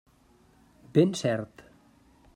Ben cert.